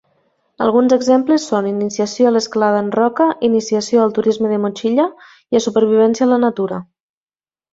Alguns exemples són: iniciació a l'escalada en roca, iniciació al turisme de motxilla i a supervivència a la natura.